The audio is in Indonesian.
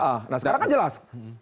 nah sekarang kan jelas